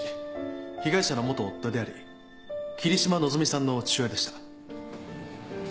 被害者の元夫であり桐島希美さんの父親でした。